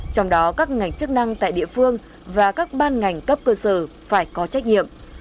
trong đó các ngành chức năng tại địa phương và các ban ngành cấp cơ sở phải có trách nhiệm